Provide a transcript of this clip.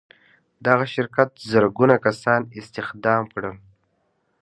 دغه شرکت زرګونه کسان استخدام کړل.